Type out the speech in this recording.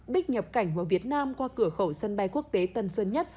bích nhập cảnh vào việt nam qua cửa khẩu sân bay quốc tế tân sơn nhất